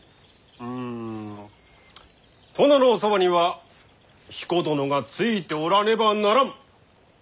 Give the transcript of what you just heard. うん殿のおそばには彦殿がついておらねばならん！ということじゃろうな。